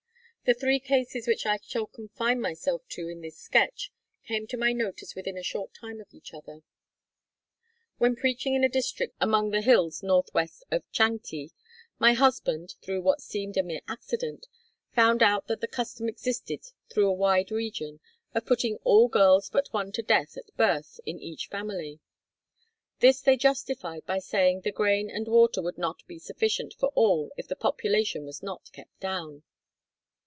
The three cases which I shall confine myself to in this Sketch, came to my notice within a short time of each other. When preaching in a district among the hills Northwest of Changte, my husband, through what seemed a mere accident, found out that the custom existed through a wide region, of putting all girls but one to death at birth in each family! This they justified by saying the grain and water would not be sufficient for all if the population was not kept down!